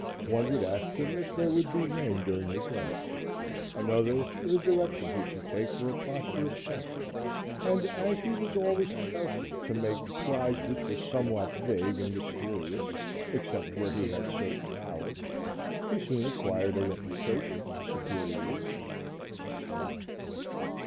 One would ask him if there would be rain during the day; another, the direction he should take for a prosperous hunt, and, as he was always careful to make replies which were somewhat vague and mysterious, except where he had certain knowledge, he soon acquired a reputation for superior wisdom.